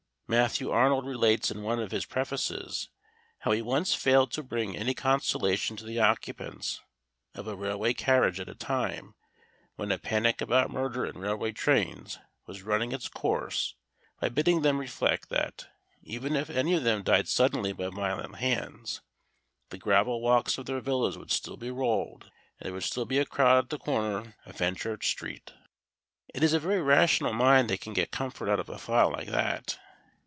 Matthew Arnold relates in one of his prefaces how he once failed to bring any consolation to the occupants of a railway carriage at a time when a panic about murder in railway trains was running its course by bidding them reflect that, even if any of them died suddenly by violent hands, the gravel walks of their villas would still be rolled, and there would still be a crowd at the corner of Fenchurch Street. It is a very rational mind that can get comfort out of a thought like that.